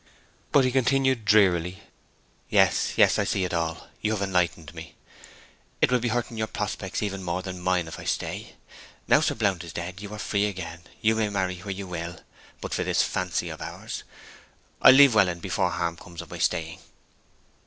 But he continued drearily, 'Yes, yes, I see it all; you have enlightened me. It will be hurting your prospects even more than mine, if I stay. Now Sir Blount is dead, you are free again, may marry where you will, but for this fancy of ours. I'll leave Welland before harm comes of my staying.'